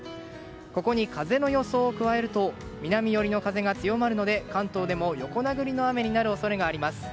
ここに風の予想も加えると南寄りの風が強まるので関東でも横殴りの雨になる恐れがあります。